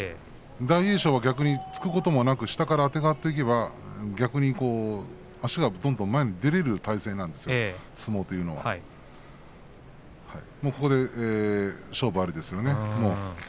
大栄翔は逆に突くこともなく下からあてがっていけば逆に足がどんどん前に出られる体勢なんですよ、相撲というのはもう勝負ありですよね。